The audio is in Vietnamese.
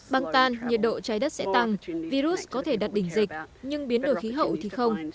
băng tan nhiệt độ trái đất sẽ tăng virus có thể đặt đỉnh dịch nhưng biến đổi khí hậu thì không